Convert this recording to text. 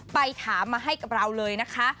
ไปถามมาให้กับเราเลยนะคะ